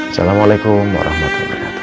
assalamualaikum warahmatullahi wabarakatuh